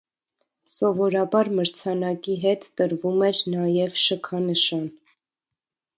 Սովորաբար մրցանակի հետ տրվում էր նաև շքանշան։